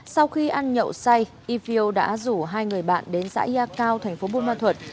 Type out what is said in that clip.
sau khi ăn nhậu say yfio đã rủ hai người bạn đến xã yatio tp bun ma thuật